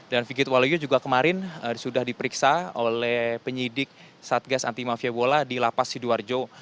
dan figit waluyo juga kemarin sudah diperiksa oleh penyidik satgas anti mafia bola di lapas sidoarjo